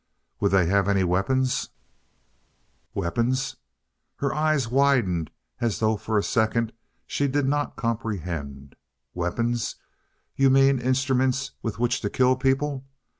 "Would they have any weapons?" "Weapons?" Her eyes widened as though for a second she did not comprehend. "Weapons? You mean instruments with which to kill people?